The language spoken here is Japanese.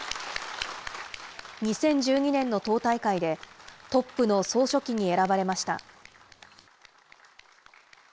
２０１２年の党大会でトップの総書記に選ばれました。